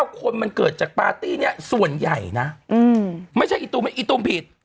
คนมันเกิดจากปาร์ตี้นี้ส่วนใหญ่นะไม่ใช่อีตูมผิด